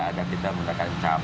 ada kita menggunakan cap